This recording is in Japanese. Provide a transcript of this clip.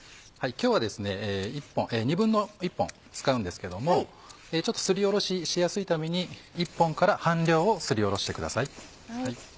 今日は１／２本使うんですけどもすりおろししやすいために１本から半量をすりおろしてください。